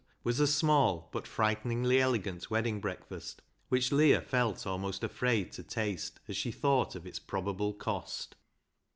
was a small but frighteningly elegant wedding breakfast, which Leah felt almost afraid to taste as she thought of its probable cost.